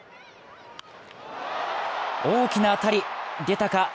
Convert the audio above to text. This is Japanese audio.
大きな当たり！出たか？